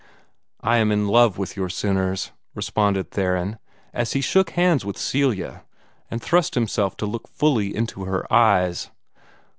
"I am in love with your sinners," responded Theron, as he shook hands with Celia, and trusted himself to look fully into her eyes.